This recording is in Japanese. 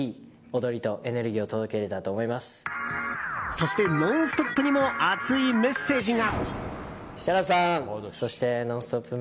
そして「ノンストップ！」にも熱いメッセージが。